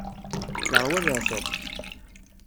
Yeṛwa leɛtab.